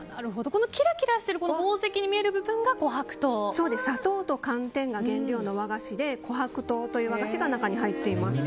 このキラキラしている宝石の部分が砂糖と寒天が原料の和菓子で琥珀糖という和菓子が中に入っています。